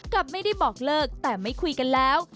กับไม่ได้บอกเลิกแต่ไม่คุยกันแล้ว